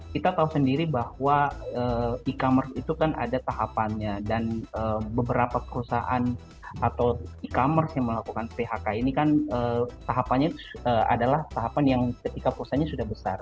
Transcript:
kita tahu sendiri bahwa e commerce itu kan ada tahapannya dan beberapa perusahaan atau e commerce yang melakukan phk ini kan tahapannya adalah tahapan yang ketika perusahaannya sudah besar